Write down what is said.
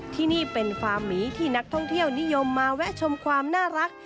ที่นี่เป็นฟาร์หมีที่นักท่องเที่ยวนิยมมาแวะชมความน่ารัก